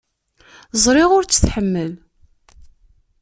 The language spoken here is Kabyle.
Ẓriɣ ur tt-tḥemmel.